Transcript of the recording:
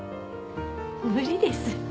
無理です